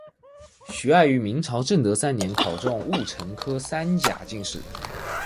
徐爱于明朝正德三年考中戊辰科三甲进士。